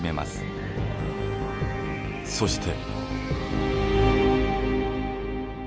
そして。